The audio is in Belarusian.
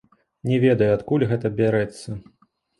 Не ведаю, адкуль гэта бярэцца.